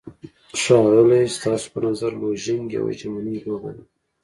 ښاغلی، ستاسو په نظر لوژینګ یوه ژمنی لوبه ده؟